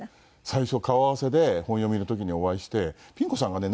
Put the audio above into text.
最初顔合わせで本読みの時にお会いしてピン子さんがね